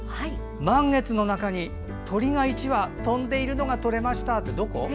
満月の中に鳥が１羽飛んでいるのが撮れましたってどこ？